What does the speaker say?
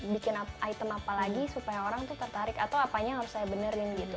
bikin item apa lagi supaya orang tuh tertarik atau apanya yang harus saya benerin gitu